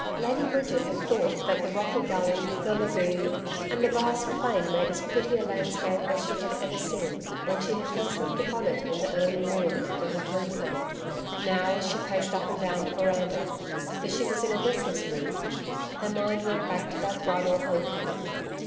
Lady Bridget had thought that the rocky gully, the lagoon and the vast plain made as pretty a landscape as she had ever seen, when she had first looked upon it in the early morn after her homecoming. Now, as she paced up and down the veranda for she was in a restless mood her mind went back to that bridal homecoming.